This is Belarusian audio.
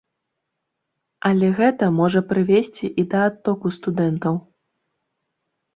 Але гэта можа прывесці і да адтоку студэнтаў.